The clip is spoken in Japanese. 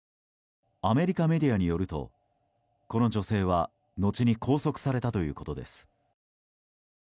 アメリカメディアによるとこの女性は後に拘束されたということです。